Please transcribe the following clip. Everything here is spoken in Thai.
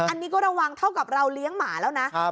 อันนี้ก็ระวังเท่ากับเราเลี้ยงหมาแล้วนะ